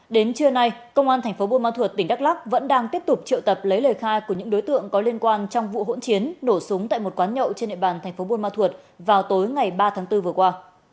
đến trưa nay công an tp buôn ma thuật tỉnh đắk lắc vẫn đang tiếp tục triệu tập lấy lời khai của những đối tượng có liên quan trong vụ hỗn chiến nổ súng tại một quán nhậu trên địa bàn tp buôn ma thuật vào tối ngày ba tháng bốn vừa qua